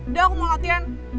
udah aku mau latihan